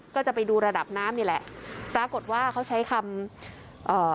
ก็จะไปดูระดับน้ำนี่แหละปรากฏว่าเขาใช้คำเอ่อ